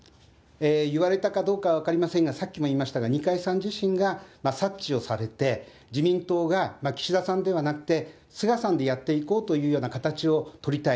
言われたかどうか分かりませんが、さっきも言いましたが、二階さん自身が察知をされて、自民党が岸田さんではなくて、菅さんでやっていこうというような形を取りたい。